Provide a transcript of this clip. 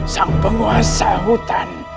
sang penguasa hutan